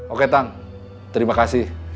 oke tang terima kasih